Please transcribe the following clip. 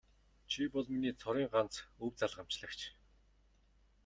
Чи бол миний цорын ганц өв залгамжлагч.